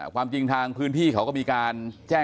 ความจริงทางพื้นที่เขาก็มีการแจ้ง